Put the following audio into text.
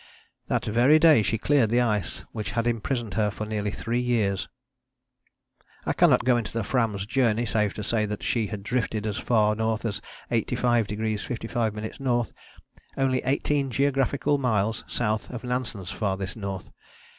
That very day she cleared the ice which had imprisoned her for nearly three years. I cannot go into the Fram's journey save to say that she had drifted as far north as 85° 55´ N., only eighteen geographical miles south of Nansen's farthest north.